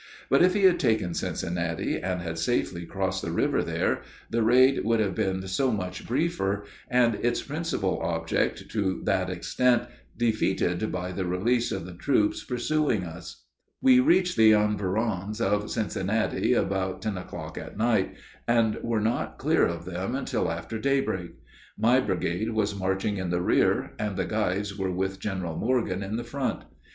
But if he had taken Cincinnati, and had safely crossed the river there, the raid would have been so much briefer, and its principal object to that extent defeated by the release of the troops pursuing us. [Illustration: LOOKING FOR THE FOOTPRINTS OF THE VAN.] We reached the environs of Cincinnati about ten o'clock at night, and were not clear of them until after daybreak. My brigade was marching in the rear, and the guides were with General Morgan in the front.